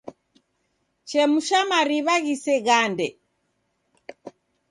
Chemusha mariw'a ghisegande.